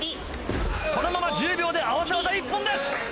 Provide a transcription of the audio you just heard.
このまま１０秒で合わせ技一本です。